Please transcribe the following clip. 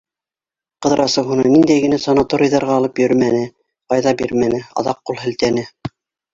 Ҡыҙрасов уны ниндәй генә санаторийҙарға алып йөрөмәне - файҙа бирмәне, аҙаҡ ҡул һелтәне.